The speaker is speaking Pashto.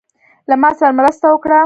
له ماسره مرسته وکړه.